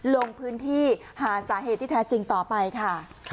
ลงพื้นที่หาสาเหตุที่แท้จริงต่อไปค่ะ